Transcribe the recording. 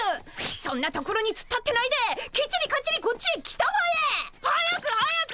そんなところにつっ立ってないできっちりかっちりこっちへ来たまえ！早く早く！